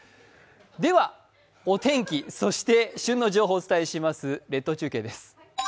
ではお天気、そして旬の情報をお伝えします列島中継です。